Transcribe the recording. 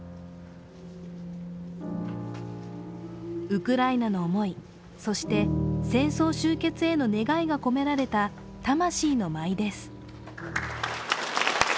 ウクライナの思い、そして戦争終結への願いが込められた魂の舞です。